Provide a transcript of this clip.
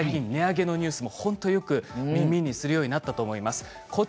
値上げのニュースも本当に耳にするようになったと思います。